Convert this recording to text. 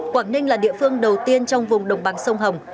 quảng ninh là địa phương đầu tiên trong vùng đồng bằng sông hồng